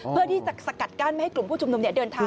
เพื่อที่จะสกัดกั้นไม่ให้กลุ่มผู้ชุมนุมเดินทาง